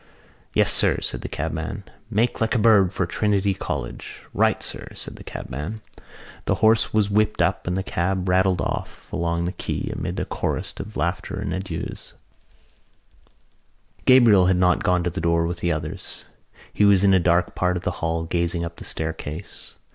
"Yes, sir," said the cabman. "Make like a bird for Trinity College." "Right, sir," said the cabman. The horse was whipped up and the cab rattled off along the quay amid a chorus of laughter and adieus. Gabriel had not gone to the door with the others. He was in a dark part of the hall gazing up the staircase.